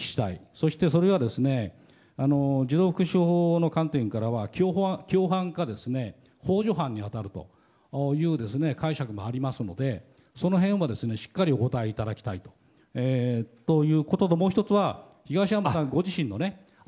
そして、それが児童福祉法の観点からは共犯か幇助犯に当たるという解釈もありますのでその辺はしっかりお答えいただきたいことともう１つは、東山さんご自身の。